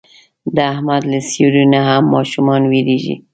د احمد له سیوري نه هم ماشومان وېرېږي.